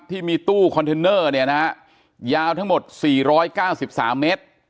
ที่มีตู้คอนเทนเนอร์เนี่ยนะฮะยาวทั้งหมดสี่ร้อยเก้าสิบสามเมตร